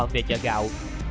về chợ gạo